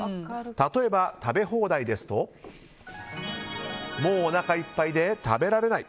例えば、食べ放題ですともうおなかいっぱいで食べられない。